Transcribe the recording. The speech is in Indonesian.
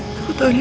kalau papa tahu